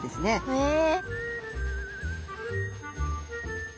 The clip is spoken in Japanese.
へえ。